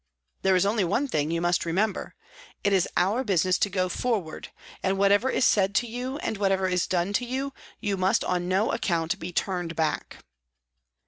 There is only one thing you must remember. It is our business to go forward, and whatever is said to you and what ever is done to you, you must on no account be turned back."